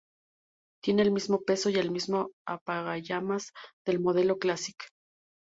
Tiene el mismo peso y el mismo apagallamas del modelo Classic.